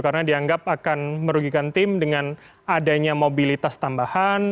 karena dianggap akan merugikan tim dengan adanya mobilitas tambahan